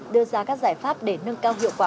đưa ra các giải pháp để nâng cao hiệu quả